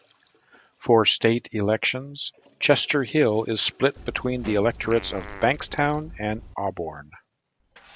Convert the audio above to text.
For state elections, Chester Hill is split between the electorates of Bankstown and Auburn.